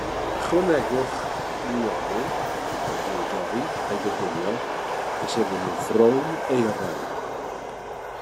Ychwanegwch nionyn wedi'i dorri a'i goginio nes ei fod yn frown euraidd.